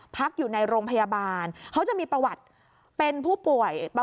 พักอยู่ในโรงพยาบาลเขาจะมีประวัติเป็นผู้ป่วย